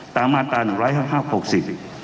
ตามมาตราหนึ่งร้อยห้าหกสิบ